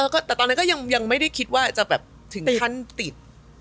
ตอนนั้นก็ไม่ได้คิดจะถึงขั้นติด